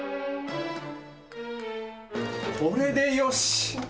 これでよし！